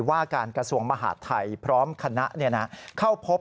ว่าการกระทรวงมหาดไทยพร้อมคณะเข้าพบ